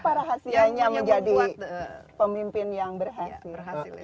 apa rahasianya menjadi pemimpin yang berhasil itu